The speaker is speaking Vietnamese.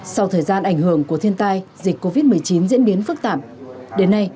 sau thời gian ảnh hưởng của thiên tai dịch covid một mươi chín diễn biến phức tạp đến nay